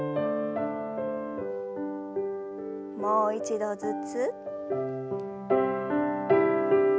もう一度ずつ。